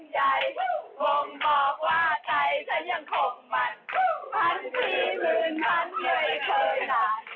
มงบอกว่าใจฉันยังคงมั่นพันสี่หมื่นมันเงยเคยนาน